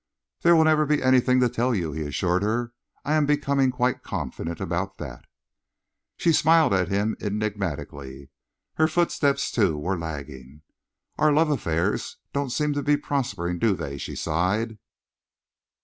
"There will never be anything to tell you," he assured her. "I am becoming quite confident about that." She smiled at him enigmatically. Her footsteps, too, were lagging. "Our love affairs don't seem to be prospering, do they?" she sighed.